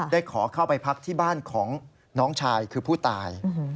ขอเข้าไปพักที่บ้านของน้องชายคือผู้ตาย